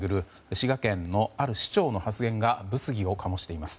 滋賀県のある市長の発言が物議を醸しています。